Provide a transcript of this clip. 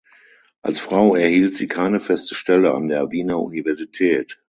Als Frau erhielt sie keine feste Stelle an der Wiener Universität.